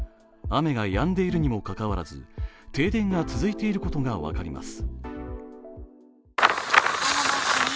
雨がやんでいるにもかかわらず、停電が続いていることが分かります。